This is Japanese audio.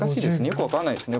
よく分からないです。